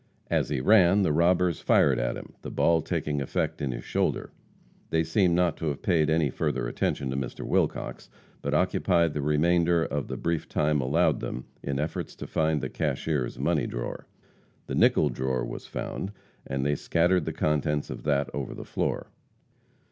As he ran, the robbers fired at him, the ball taking effect in his shoulder. They seem not to have paid any further attention to Mr. Wilcox, but occupied the remainder of the brief time allowed them in efforts to find the cashier's money drawer. The nickel drawer was found, and they scattered the contents of that over the floor.